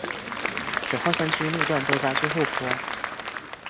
此后山区路段多加筑护坡。